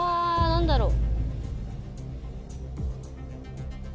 何だろう。